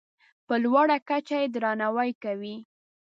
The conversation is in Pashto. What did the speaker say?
په لوړه کچه یې درناوی کوي.